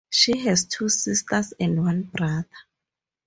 She has two sisters and one brother.